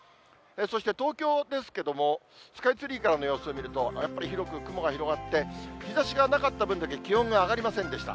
そして東京ですけども、スカイツリーからの様子を見ると、やっぱり広く雲が広がって、日ざしがなかった分だけ気温が上がりませんでした。